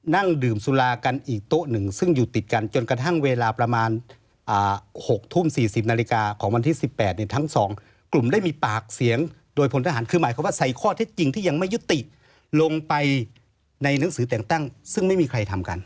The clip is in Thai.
นั่งดื่มสุรากันอีกโต๊ะหนึ่งซึ่งอยู่ติดกันจนกระทั่งเวลาประมาณ๖ทุ่ม๔๐นาฬิกาของวันที่๑๘เนี่ยทั้งสองกลุ่มได้มีปากเสียงโดยพลทหารคือหมายความว่าใส่ข้อเท็จจริงที่ยังไม่ยุติลงไปในหนังสือแต่งตั้งซึ่งไม่มีใครทำกัน